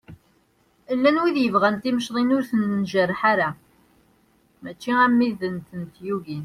Llan widen i yebɣan timecḍin ur ten-njerreḥ ara mačči am widen i tent-yugin.